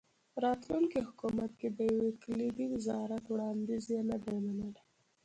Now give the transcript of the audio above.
راتلونکي حکومت کې د یو کلیدي وزارت وړاندیز یې نه دی منلی.